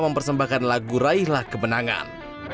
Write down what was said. mempersembahkan lagu raihlah kemenangan